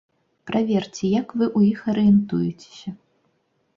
Праверце, як вы ў іх арыентуецеся.